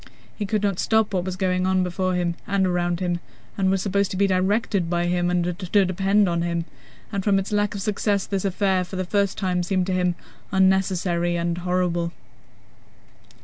He could not stop what was going on before him and around him and was supposed to be directed by him and to depend on him, and from its lack of success this affair, for the first time, seemed to him unnecessary and horrible.